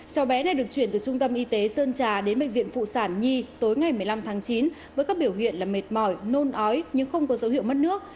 cháu bé này được chuyển từ trung tâm y tế sơn trà đến bệnh viện phụ sản nhi tối ngày một mươi năm tháng chín với các biểu hiện là mệt mỏi nôn ói nhưng không có dấu hiệu mất nước